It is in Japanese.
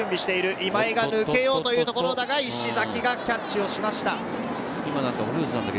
今井が抜けようというところだが、石崎がキャッチをしました。